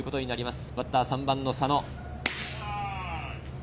バッターは３番の佐野。